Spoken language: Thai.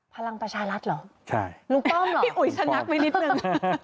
พลังประชารัฐเหรอลุงป้อมเหรอพี่อุ๋ยชะงักไว้นิดนึง